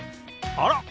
あら？